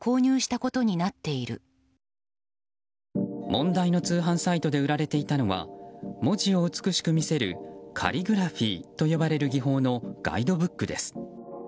問題の通販サイトで売られていたのは文字を美しく見せるカリグラフィーと呼ばれる技法のガイドブックです。